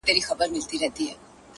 جنت د حورو دی; دوزخ د سيطانانو ځای دی;